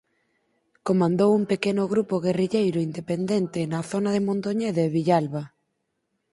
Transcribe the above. Comandou un pequeno grupo guerrilleiro independente na zona de Mondoñedo e Villalba.